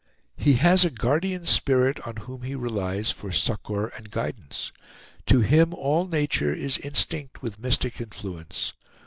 He has a guardian spirit, on whom he relies for succor and guidance. To him all nature is instinct with mystic influence.